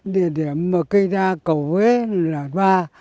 địa điểm cây đa cầu huế là ba